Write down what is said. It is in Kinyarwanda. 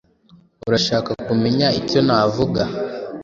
Urashaka kumenya icyo navuga?